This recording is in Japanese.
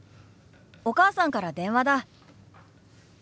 お母さんから電話だ。